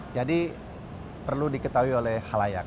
jadi perlu diketahui oleh halayak